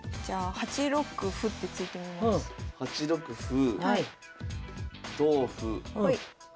８六歩同歩。